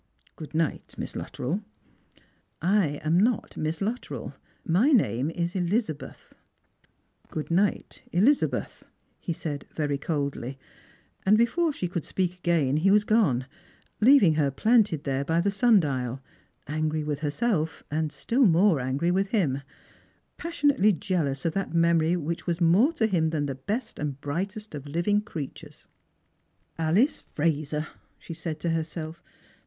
" Good night, Miss Luttrell "" I am not Miss Luttrell. My name is Elizabeth." " Good night, Elizabeth," he said, very coldly ; and before she could speak again he was gone, leaving her planted there by the sundial, angry with herself, and still more angry with him; passionately jealous of that memory which was more to him than the best and brightest of living creatures. " Alice Eraser !" she said to herself.